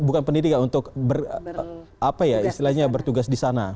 bukan pendidikan untuk istilahnya bertugas di sana